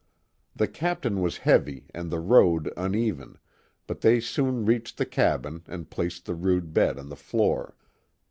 The captain was heavy and the road uneven, but they soon reached the cabin and placed the rude bed on the floor.